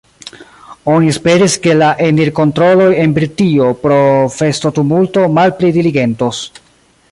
Oni esperis, ke la enir-kontroloj en Britio pro festo-tumulto malpli diligentos.